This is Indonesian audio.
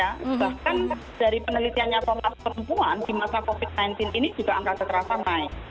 bahkan dari penelitiannya komnas perempuan di masa covid sembilan belas ini juga angka kekerasan naik